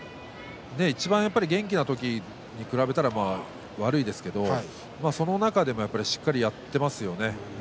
いちばん、やっぱり元気な時に比べたら悪いですけどその中でもやっぱりしっかりやっていますよね。